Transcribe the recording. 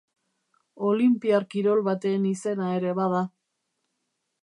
Olinpiar kirol baten izena ere bada.